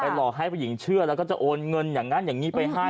หลอกให้ผู้หญิงเชื่อแล้วก็โอนเงินอย่างนั้นนะคะ